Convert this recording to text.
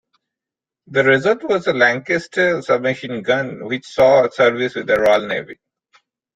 The result was the Lanchester submachine gun, which saw service with the Royal Navy.